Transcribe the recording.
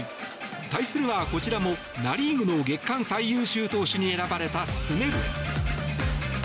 対するは、こちらもナ・リーグの月間最優秀投手に選ばれたスネル。